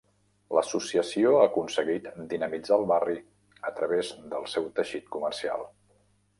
L'associació ha aconseguit dinamitzar el barri a través del seu teixit comercial.